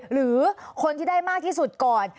หรือคนที่ได้มากที่สุดก่อน